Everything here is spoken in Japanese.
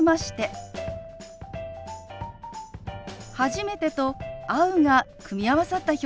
「初めて」と「会う」が組み合わさった表現です。